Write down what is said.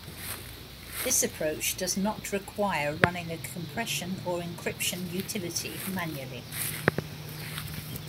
This approach does not require running a compression or encryption utility manually.